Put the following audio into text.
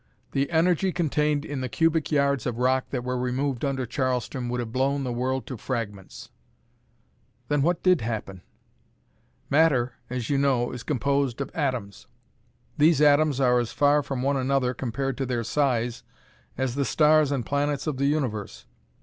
The energy contained in the cubic yards of rock that were removed under Charleston would have blown the world to fragments." "Then what did happen?" "Matter, as you know, is composed of atoms. These atoms are as far from one another, compared to their size, as the stars and planets of the universe.